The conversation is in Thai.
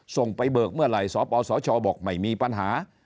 ส่งไปเบิกเมื่อไหร่สปสชบอกไม่มีปัญหา